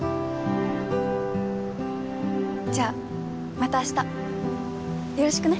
じゃあまた明日よろしくね